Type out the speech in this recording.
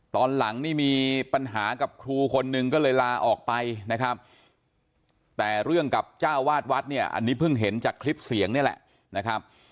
ตอนหลังนี่มีปัญหากับครูคนนึงก็เลยลาออกไปนะครับแต่เรื่องกับเจ้าวาดวัดเนี่ยอันนี้เพิ่งเห็นจากคลิปเสียงนี่แหละนะครับ